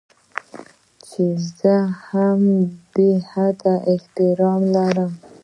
چې زه يې هم بې حده احترام لرم.